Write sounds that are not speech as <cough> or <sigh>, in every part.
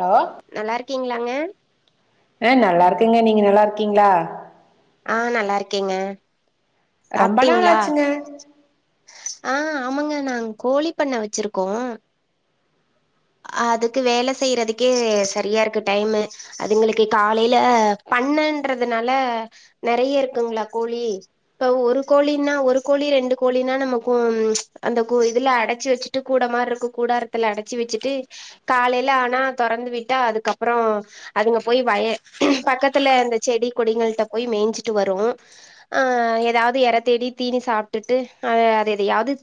hello நல்லா இருக்கீங்களா ங்க ஹா நல்லா இருக்கேங்க நீங்க நல்லா இருக்கீங்களா ஆ நல்லா இருக்கேங்க ரொம்ப நாள் சாப்பிட்டீங்களா ஆச்சுங்க ஆ ஆமாங்க நாங்க கோழி பண்ண வச்சிருக்கோம் அதுக்கு வேலை செய்யிறதுக்கே சரியா இருக்கு டைமு அதுங்களுக்கு காலையில பண்ணன்றதுனால நிறைய இருக்குங்களா கோழி இப்ப ஒரு கோழின்னா ஒரு கோழி ரெண்டு கோழின்னா நமக்கும் அந்த இதுல அடைச்சு வச்சுட்டு கூட மாரி இருக்கும் கூடாரத்துல அடைச்சு வச்சு காலையில ஆனா தொறந்து விட்டா அதுக்கப்புறம் அதுங்க போய் வய பக்கத்துல அந்த செடி கொடிங்களிட்ட போய் மேய்ச்சிட்டு வரும் ஹ ஏதாவது இறத்தேடி தீனி சாப்பிட்டுட்டு அ எதயாவது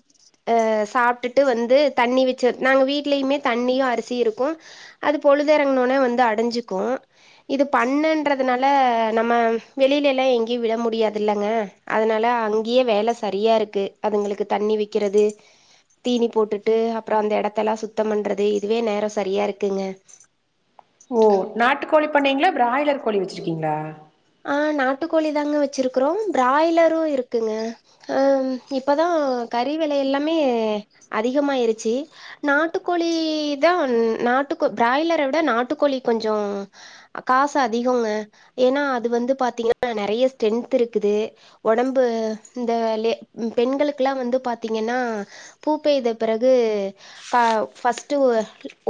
அ சாப்பிட்டுட்டு வந்து தண்ணி வச்சு நாங்க வீட்லயுமே தண்ணியும் அரிசி இருக்கும் அது பொழுது இறங்குனோனே வந்து அடைஞ்சுக்கும் இது பண்ணன்றதுனால நம்ம வெளில எல்லாம் எங்கேயும் விட முடியாது இல்லங்க அதுனால அங்கேயே வேலை சரியா இருக்கு அதுங்களுக்கு தண்ணி வைக்கிறது தீனி போட்டுட்டு அப்புறம் அந்த இடத்தெல்லாம் சுத்தம் பண்றது இதுவே நேரம் சரியா இருக்குங்க ஓ நாட்டுக்கோழி இப்ப நீங்களும் பிராய்லர் கோழி வச்சிருக்கீங்களா நாட்டுக்கோழி தாங்க வச்சிருக்கறோம் பிராய்லரும் இருக்குங்க இப்போ தான் கறி விலை எல்லாமே அதிகமிருச்சு நாட்டுக்கோழி தான் நாட்டுக்கோ பிராய்லரை விட நாட்டுக்கோழி கொஞ்சம் காசு அதிகங்க ஏன்னா இது வந்து பாத்திங்கன்னா நைரைய ஸ்டேன்த்து இருக்குது உடம்பு பெண்களுக்கு பத்திக்கன்னா பூ பிறகு பா பஸ்ட்டு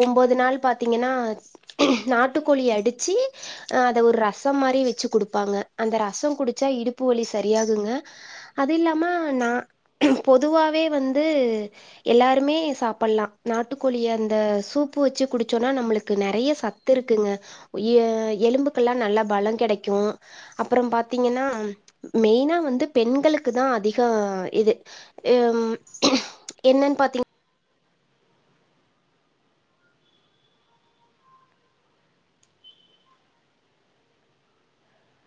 ஓன்பது நாள் பாத்திங்கனா நாட்டுக்கோழி அடிச்சு அ அத ஒரு ரசம் மாதிரி வச்சி குடுப்பாங்க அந்த ரசம் குடிச்சா இடுப்பு வலி சரியாகுங்க அது இல்லாம பொதுவாவே வந்து எல்லாருமே சாப்பிடலாம் நாட்டுக்கோழிய அந்த சூப்பு வச்சு குடிச்சோன்னா நம்மளுக்கு நிறைய சத்து இருக்குங்க எலும்புக்கெல்லாம் நல்லா பலம் கிடை க்கும் அப்புறம் பாத்தீங்கன்னா மெயினா வந்து பெண்களுக்கு தான் அதிகம் இது ஹ என்னன்னு பாத்தீங்கா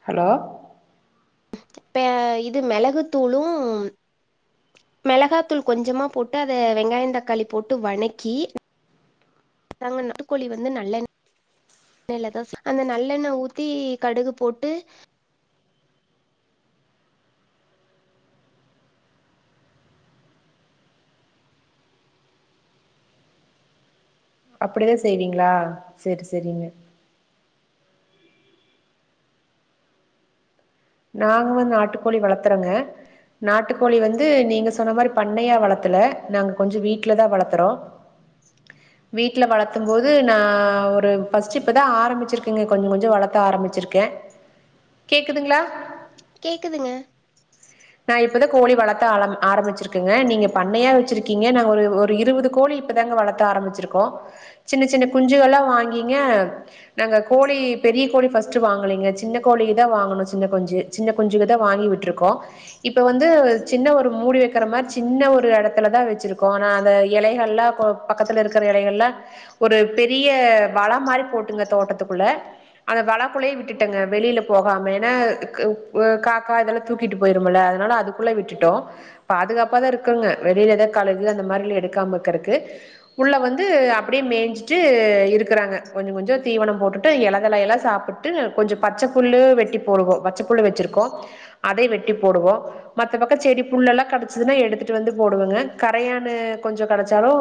ஹலோ இப்ப இது மிளகுத்தூளும் மிளகாத்தூள் கொஞ்சமா போட்டு அதை வெங்காயம் தக்காளி போட்டு வணக்கி நா நாட்டுகோழி வந்து நல்லெண்ணெய்யில தான் அந்த நல்லெண்ணய் ஊத்தி கடுகு போட்டு அப்படிதான் செய்வீங்களா சேரி சேரிங்க நாங்க வந்து நாட்டுக்கோழி வளர்த்துறங்க நாட்டுக்கோழி வந்து நீங்க சொன்ன மாதிரி பண்ணையா வளர்த்தல நாங்க கொஞ்சம் வீட்டுலதான் வளர்த்துறோம் வீட்டுல வளர்த்தும் போது நான் ஒரு பஸ்ட்டு இப்பதான் ஆரம்பிச்சிருக்கேங்க கொஞ்சம் கொஞ்சம் வளர்த்த ஆரம்பிச்சிருக்கேன் கேக்குதுங்களா கேக்குதுங்க நான் இப்பதான் கோழி வளர்த்த ஆல ஆரம்பிச்சிருக்கேங்க நீங்க பண்ணையா வச்சிருக்கீங்க நாங்க ஒரு ஒரு இருபது கோழி இப்பதாங்க வளர்த்த ஆரம்பிச்சிருக்கோம் சின்ன சின்ன குஞ்சுகள் எல்லாம் வாங்கீங்க நாங்க கோழி பெரிய கோழி ஸ்ட் வாங்கலீங்க சின்ன கோழிக்குதான் வாங்கணும் சின்ன குஞ்சு சின்ன குஞ்சுக்குதான் வாங்கி விட்டுருக்கோம் இப்ப வந்து சின்ன ஒரு மூடி வைக்கிற மாதிரி சின்ன ஒரு இடத்துல தான் வச்சிருக்கோம் ஆனா அந்த இலைகளலெல்லாம் பக்கத்துல இருக்கிற இலைகள்லாம் ஒரு பெரிய வலை மாதிரி போட்டுங்க தோட்டத்துக்குள்ள அந்த வலக்குள்ளேயே விட்டுட்டேங்க வெளியில போகாம ஏன்னா காக்கா இதெல்லாம் தூக்கிட்டு போயிரு <unintelligible> ட்ட போடு செடி புல்ல எல்லாம் கிடைச்சதுன்னா எடுத்துட்டு வந்து போடுவங்க கரையானு கொஞ்சம் கிடைச்சாலும்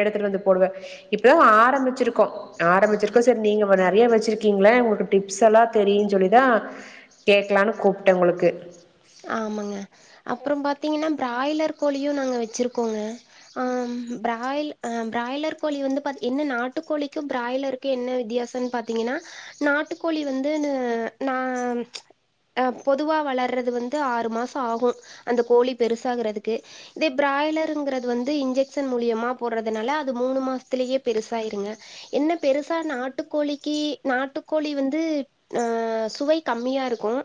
எடுத்துட்டு வந்து போடுவேன் இப்பதான் ஆரம்பிச்சிருக்கோம் ஆரம்பிச்சிருக்கோம் சரி நீங்க நிறைய வச்சிருக்கீங்கள உங்களுக்கு டிப்ஸ் எல்லாம் தெரியனு சொல்லிதான் கேக்கலாம்னு கூப்பிட்டேன் உங்களுக்கு ஆமாங்க அப்புறம் பாத்தீங்கன்னா பிராய்லர் கோழியும் நாங்க வச்சிருக்கோங்க ஆஹாயஹ பிராய்லர் கோழி வந்து என்ன நாட்டுக்கோழிக்கும் பிராய்லருக்கும் என்ன வித்தியாசம்னு பாத்தீங்கன்னா நாட்டுக்கோழி வந்து நாஹ பொதுவா வளர்றது வந்து ஆறு மாசமாகும் அந்த கோழி பெருசாகிறது இத பிராயிலர் வந்து இன்ஜெக்க்ஷன் மூலியமா போடுறனால அது மூணு மாசத்திலயே பெருசிருங்க என்ன பெருசா நாட்டுக்கோழிக்கு நாட்டுக்கோழி வந்து சுவை கம்மியா இருக்கும்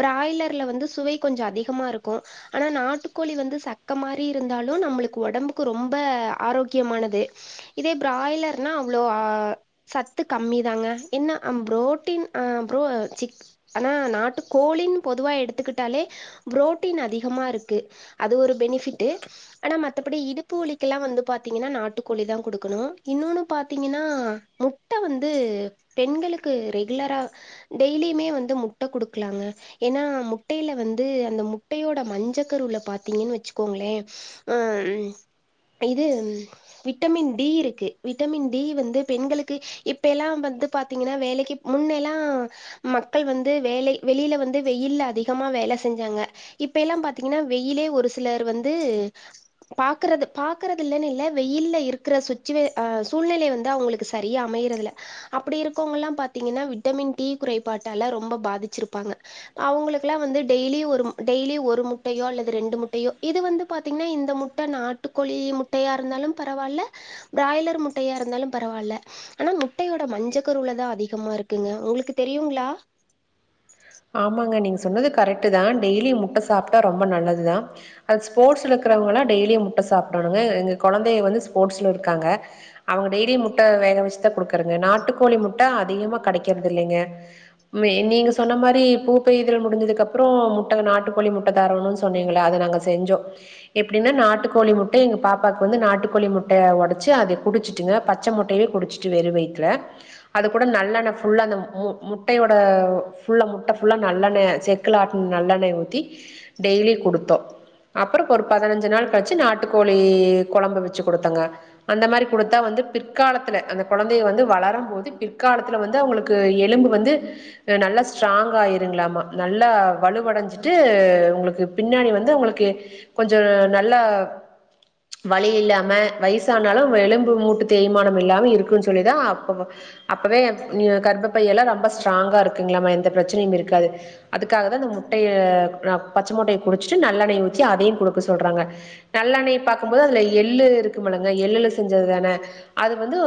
பிராயலர்ல வந்து சுவை கொஞ்சம் அதிகமா இருக்கும் ஆனா நாட்டுக்கோழி வந்து சக்க மாதிரி இருந்தாலும் நம்மளுக்கு உடம்புக்கு ரொம்ப ஆரோக்கியமானது இதே பிராயலர் அவ்ளோ சத்து கம்மி தாங்க என்ன நாட்டு கோழியினு பொதுவா எடுத்துக்கிட்டு புரோட்டன் அதிகமா இருக்கு அது ஒரு பெனிபிட்டு ஆனாமத்தபடி இடுப்பு ஒலிக்கெல்லாம் வந்து பாத்தீங்கன்னா நாட்டுக்கோழி தான் குடுக்கணும் இன்னொன்னு பாத்தீங்கன்னா முட்டை வந்து பெண்களுக்கு ரெகுலரா டெய்லியும் வந்துமே முட்டை கொடுக்கலாங்க ஏன்னா முட்டை முட்டையில வந்து அந்த முட்டையோட மஞ்ச கருவுல பாத்தீங்கன்னு வச்சுக்கோங்களேன்ஹ இது விட்டமின் டி இருக்கு விட்டமின் டி வந்து பெண்களுக்கு இப்ப எல்லாம் வந்து பாத்தீங்கன்னா வேலைக்கு முன்னெல்லாம் மக்கள் வந்து வேலை வெளியில வந்து வெயில்ல அதிகமா அத வேலை செஞ்சாங்க இப்ப எல்லாம் பாத்தீங்கன்னா வெயிலே ஒரு சிலர் வந்து பாக்குறது பாக்கறது இல்ல இ வெயில் இருக்கிற சுச்சிவேசன் சூழ்நிலை வந்து அவங்களுக்கு சரியா அமையறதுல்ல அப்படி இருக்கவங்க எல்லாம் பாத்தீங்கன்னா விட்டமின் டி குறைபாட்டால ரொம்ப பாதிச்சிருப்பாங்க அவங்களுக்கு ல்லாம் வந்து டெய்லி ஒரு டெய்லி ஒரு முட்டையோ அல்லது ரெண்டு முட்டையோ இது வந்து பாத்தீங்கன்னா இந்த முட்டை நாட்டுக்கோழி முட்டையா இருந்தாலும் பரவாயில்ல பிராய்லர் முட்டையா இருந்தாலும் பரவாயில்ல ஆனா முட்டையோட மஞ்சக்கருளை தான் அதிகமா இருக்குங்க உங்களுக்கு தெரியுங்களா ஆமாங்க நீங்க சொன்னது கரெக்ட் தான் டெய்லியூம் முட்டை சாப்பிட்டா ரொம்ப நல்லதுதான் அது ஸ்போர்ட்ஸ்ல இருக்கறவங்காம் டெய்லியும் முட்டை சாப்பிடணுங்க எங்க குழந்தைய வந்து ஸ்போர்ட்ஸ்ல இருக்காங்க அவங்க டெய்லியும் முட்டை வேக வச்சுதான் குடுக்கறங்க நாட்டுக்கோழி முட்டை அதிகமா கிடைக்கறிறது இல்லைங்க நீங்க சொன்ன மாதிரி மாதிரி பூப்பயல் முடிஞ்சதுக்கு அப்புறம் முட்டை நாட்டுக்கோழி முட்டை தரணும்னு சொன்னீங்கள அதை நாங்க செஞ்சோம் எப்படின்னா நாட்டுக்கோழி முட்டை எங்க பாப்பாக்கு வந்து நாட்டுக்கோழி முட்டையை உடைச்சு அது குடிச்சுட்டுங்க பச்சை முட்டையே குடிச்சுட்டு வெற வாயில அது கூட நல்ல முட்டையோட நல்லெண்ணைய் செக்குல ஆட்ட நல்லெண்ணெய் ஊத்தி டெய்லி கொடுத்தோம் அப்புறம் ஒரு பதினஞ்சு நாள் கழிச்சு நாட்டுக்கோழி குழம்பு வச்சு கொடுத்தாங்க அந்த மாதிரி கொடுத்தா வந்து பிற்காலத்துல அந்த குழந்தைய வந்து வளரும் போது பிற்காலத்துல வந்து அவங்களுக்கு எலும்பு வந்து நல்ல ஸ்ட்ராங்கா ஆயிருங்களாமா நல்லா வலுவடஞ்சிட்டு உங்களுக்கு பின்னாணி வந்து உங்களுக்கு கொஞ்சம் நல்லா வழி இல்லாம வயசு ஆனாலும் எலும்பு மூட்டு தேய்மானம் இல்லாம இருக்குன்னு சொல்லிதான் அப்ப அப்பவே கர்பப்பைய எல்லாம் ரொம்ப ஸ்ட்ராங்கா இருக்குங்களா பிரச்சனையும் இருக்காது அதுக்காகந்த முட்டைய பச்சை மட்டையை குடிச்சட்டு நல்லெண்ணெய ஊச்சி அதையும் கொடுக்க சொல்றாங்க நல்லெண்ணய பார்க்கபோது அதுல எள்ளு இருக்கு மில்லங்க எள்ளு செஞ்சது தானே அது வந்து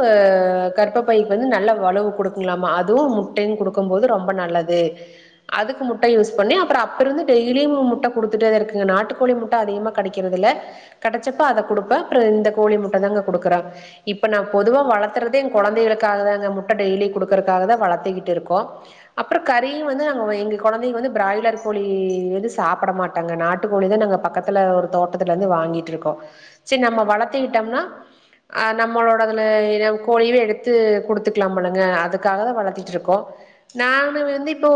கற்ப பைக்கு வந்து நல்ல வளுவு கொடுக்காமா அதுவும் முட்டை கொடுக்கும் போது ரொம்ப நல்லது அதுக்கு முட்டை யூஸ் பண்ணி அப்புறம் அப்பந்து டெய்லியும் முட்டை கொடுத்துட்டே தான் இருக்குங்க நாட்டு கோழி முட்டை அதிகமா கடைக்கறிறதுல்ல கிடைச்சப்ப அதை குடுப்பேன் அப்புறம் இந்த கோழி முட்டை தான்ங்க குடுக்கறன் இப்ப நான் பொதுவா வளர்த்துறதே என்ங்க குழந்தைளுக்காகான் முட்டை டெய்லி குடு இருக்கறக்காகத வளர்த்துக்கிட்டு இருக்கோம் அப்புறம் கறியும் வந்து நாங்கள் எங்க குழந்தைங்க வந்து பிராய்லர் கோழி வந்து சாப்பிட மாட்டாங்க நாட்டுக்கோழி தான் நாங்கள் பக்கத்துல ஒரு தோட்டத்துல இருந்து வாங்கிட்டுருக்கோம் சரி நம்ம வளர்த்திக்கிட்டோம்னாஹ் நம்மளோடதுல கோழியே எடுத்து கொடுத்துக்கலாம் முல்லுங்க அதுக்காக தான் வளர்த்திட்டு இருக்கோம் நான் இப்போ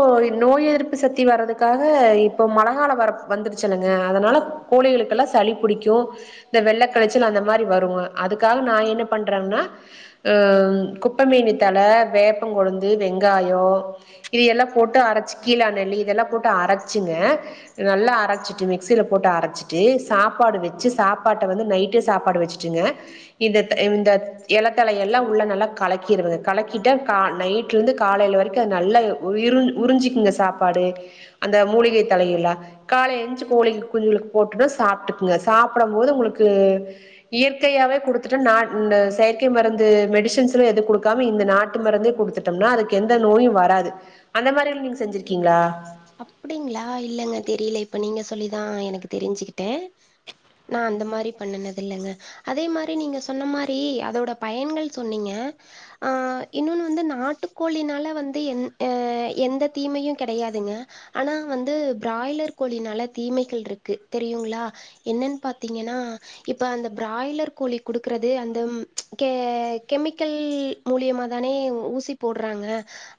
நோய் எதிர்ப்பு சத்தி வர்ரதுக்காக இப்போ மழ வர வந்துருச்சுனுங்க அதனால கோழிகளுக்கெல்லாம் சளி பிடிக்கும் இந்த வெள்ளை கிளைச்சல் அந்த மாதிரி வருங்க அதுக்காக நான் என்ன பண்றேங்கன்னாஹ் குப்பைமீனி தழ வேப்பம் கொழுந்து வெங்காயம் இதெல்லாம் போட்டு அரைச்சி கீழா நெல்லி இதெல்லாம் போட்டு அரைச்சிங்க நல்லா அரைச்சிட்டு மிக்சியில் போட்டு அரைச்சிட்டு சாப்பாடு வச்சு சாப்பாட்டை வந்து நைட்டு சாப்பாடு வச்சுட்டுங்க இந்த த இந்த இலத்தலையெல்லாம் உள்ளே நல்லா கலக்கிடுவேங்க கலக்கிட்டால் கா நைட்லேருந்து காலையில் வரைக்கும் அது நல்லா உறிஞ்சக்குங்க சாப்பாடு அந்த மூலிகை தலையல்ல காலையில எழுந்துருஞ்சு கோழிக்கு குஞ்சளுக்கு போட்டு சாப்பிட்டுக்கங்க சாப்பிடும் போது உங்களுக்கு இயற்கையாவே குடுத்துட்ட இந்த செயற்கை மருந்து மெடிசின்ஸ் எல்லா எது குடுக்க இந்த நாட்டு மருந்தே கொடுத்துட்டோம்னா அதுக்கு எந்த நோயும் வராது அந்த மாதிரி நீங்கசெஞ்சிருக்கிங்கலா அப்படிங்களா இல்லலைங்க தெரியல இப்ப நீங்க சொல்லிதான் எனக்கு தெரிஞ்சுக்கிட்டே ந அந்த மாரி பண்ணுலதுங்க அதே மாரி நீங்க சொன்ன மாரி அதோட பயன்கள் சொன்னீங்க இன்னோன்னு வந்து நாட்டுக்கோழினால வந்து எந்த தீமையும் கெடையாதுங்க ஆனா வந்து பிராய்லர் கோழினால தீமைகள் ருக்கு தெரியுங்களா என்னன்னு பாத்தீங்கன்னா இப்ப அந்த பிராய்லர் கோழி குடுக்கறது அந்த கெமிக்கல் மூலியமா தானே ஊசி போட்றாங்க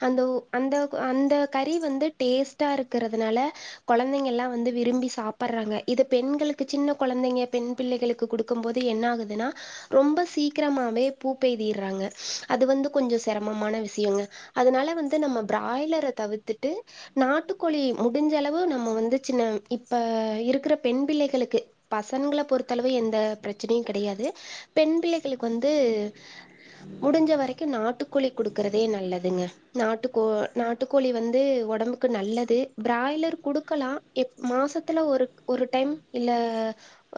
அந்த அந்த அந்த வந்து டேஸ்டா இருக்கிறதுனால குழந்தைங்க எல்லாம் வந்து விரும்பி சாப்பர்றாங்க இது பெண்களுக்கு சின்ன குழந்தைங்க பெண் பிள்ளைகளுக்கு கொடுக்கும் போது என்ன ஆகுதுன்னா ரொம்ப சீக்கிரமாவே பூ பெய்திடுறாங்க அது வந்து கொஞ்சம் சிரமமான விஷயங்க அதனால வந்து நம்ம பிராய்லரை தவிர்த்து நாட்டுக்கோழி முடிஞ்ச அளவு நம்ம வந்து சின்ன இப்ப இருக்கிற பெண் பிள்ளைகளுக்கு பசன்களை பொறுத்தளவு எந்த பிரச்சனையும் கிடையாது பெண் பிள்ளைகளுக்கு வந்து முடிஞ்ச வரைக்கும் நாட்டுக்கோழி குடுக்கறதே நல்லதுங்க நாட்டுக்கோ நாட்டுக்கோழி வந் வந்து உடம்புக்கு நல்லது பிராய்லர் குடுக்கலாம் எப் மாசத்துல ஒரு ஒரு டைம் இல்ல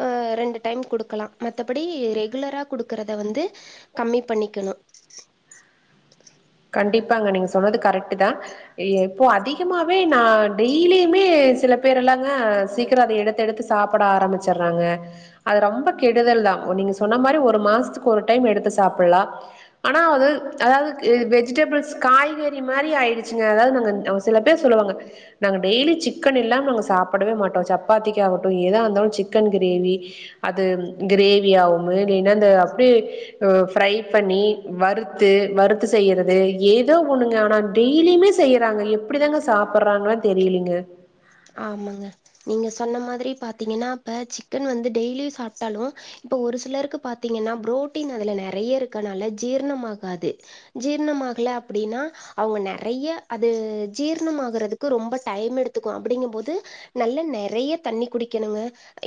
ஹ ரெண்டு டைம் குடுக்கலாம் மத்தபடி ரெகுலரா குடுக்கறத வந்து கம்மி பண்ணிக்கணும் கண்டிப்பாங்க நீங்க சொன்னது கரெக்ட் தான் இப்போ அதிகமாவே நான் டெய்லியுமே சில பேர் எல்லாம்ங்க சீக்கிரம் அதை எடுத்து எடுத்து சாப்பிட ஆரம்பிச்சுறாங்க அது ரொம்ப கெடுதல் தான் நீங்க சொன்ன மாதிரி ஒரு மாசத்துக்கு ஒரு டைம் எடுத்து சாப்பிலாம் ஆனாஅது அதாவது வெஜிடபிள்ஸ் காய்கறி மாரி ஆயிடுச்சுங்க அதாவது நா சில பேர் சொல்லுவாங்க நாங்கள் டெய்லி சிக்கன் இல்லாம நாங்கள் சாப்பிடவே மாட்டோம் சப்பாத்திக்கு ஆகட்டும் எதா இருந்தாலும் சிக்கன் கிரேவி அது கிரேவி ஆகும் இல்லனா அப்படிய ப்ரை பண்ணி வறுத்து செய்யறது ஏதோ ஒண்ணுங்க ஆனா டெய்லியுமே செய்றாங்க எப்படிதாங்க சாப்புறாங்க தெரியலீங்க ஆமாங்க நீங்க சொன்ன மாதிரி பாத்தீங்கன்னா இப்ப சிக்கன் வந்து டெய்லி சாப்டாலும் இப்ப ஒரு சிலருக்கு பாத்தீங்கன்னா புரோட்டீன் அதுல நிறைய இருக்கனால ஜீரணமாகாது ஜீரணமாகல அப்படின்னா அவங்க நிறைய அது ஜீர்ண ஆறதுக்கு ரொம்ப டைம் எடுத்து அப்படிங்கும் போது நல்ல நெறைய தண்ணி குடிக்கனுங்க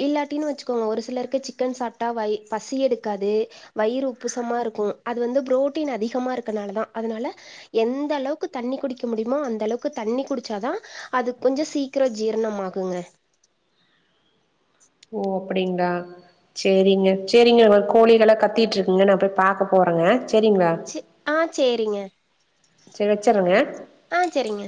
இல்லாட்டி ன்னு வச்சுக்கோங்க ஒரு சிலருக்கே சிக்கன் சாப்ட்டா வயி பசி யடுக்காது வயிறு உப்புசமாருக்கும் அது வந்து புரோட்டின் அதிகமா ருக்கிறநால தான் அதனால எந்த அளவுக்கு தண்ணி குடிக்க முடியுமோ இந்த அளவுக்கு தண்ணி குடிச்சா தான் அது கொஞ்சம் சீக்கிரம் ஜீர்ணம் ஆகுங்க ஓ அப்டிங்லா சேரிங்க சேரிங்க நம்ம கோழிகளாம் கத்திட்டு இருக்குங்க நான் போய் பாக்க போறங்க சே ஆ சேரிங்க சேரி வச்சிர்றங்க ஆ சேரிங்க